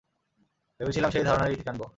ভেবেছিলাম সেই ধারণার ইতি টানব!